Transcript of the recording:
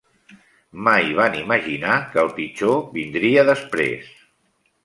Mai van imaginar que el pitjor vindria després.